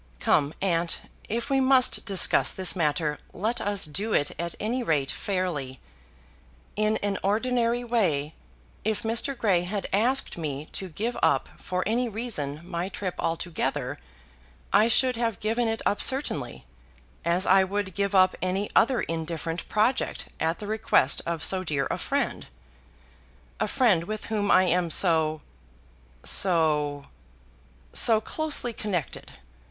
Come, aunt, if we must discuss this matter let us do it at any rate fairly. In an ordinary way, if Mr. Grey had asked me to give up for any reason my trip altogether, I should have given it up certainly, as I would give up any other indifferent project at the request of so dear a friend, a friend with whom I am so so so closely connected.